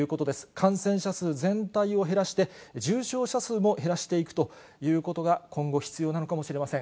感染者数全体を減らして、重症者数も減らしていくということが今後、必要なのかもしれません。